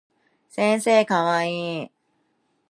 先生かわいい